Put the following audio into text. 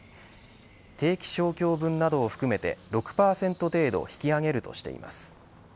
定期昇給分などを含めて６％程度引き上げるとしています。